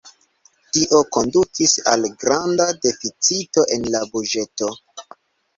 Tio kondukis al granda deficito en la buĝeto.